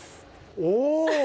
お！